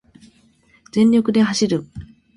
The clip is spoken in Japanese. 全力で走る